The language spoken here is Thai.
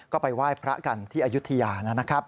ก็ไปไหว้พระกันที่อายุทยานะครับ